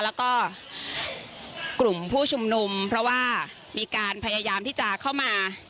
แล้วก็กลุ่มผู้ชุมนุมเพราะว่ามีการพยายามที่จะเข้ามา